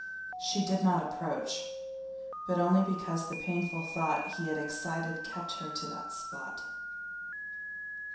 She did not approach, but only because the painful thought he had excited kept her to that spot.